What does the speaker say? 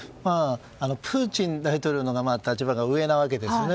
プーチン大統領のほうが立場が上なわけですよね。